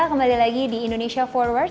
baik pemirsa kembali lagi di indonesia forward